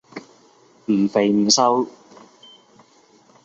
唔肥唔瘦